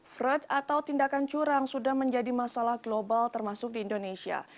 fraud atau tindakan curang sudah menjadi masalah global termasuk di indonesia